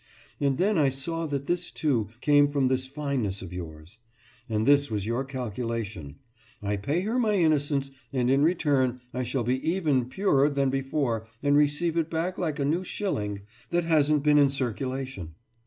And then I saw that this, too, came from this fineness of yours. And this was your calculation: I pay her my innocence, and in return I shall be even purer than before and receive it back like a new shilling that hasn't been in circulation.